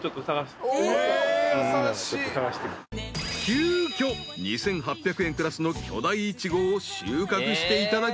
［急きょ２，８００円クラスの巨大イチゴを収穫していただき］